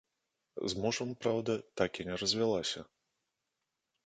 З мужам, праўда, так і не развялася.